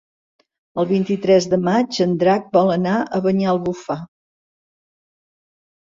El vint-i-tres de maig en Drac vol anar a Banyalbufar.